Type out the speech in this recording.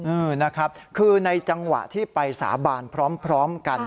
เออนะครับคือในจังหวะที่ไปสาบานพร้อมกัน